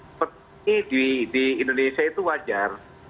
seperti di indonesia itu wajar